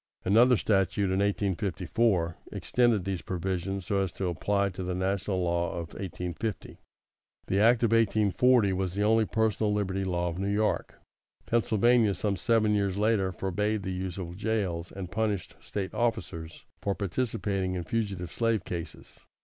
Another statute, in 1854, extended these provisions so as to apply to the national law of 1850. The act of 1840 was the only Personal Liberty Law of New York. Pennsylvania, some seven years later, forbade the use of jails, and punished State officers for participating in fugitive slave cases.